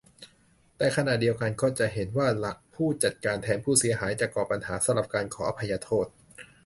แต่ขณะเดียวกัน ก็เห็นว่าหลัก "ผู้จัดการแทนผู้เสียหาย" จะก่อปัญหา สำหรับ การขออภัยโทษ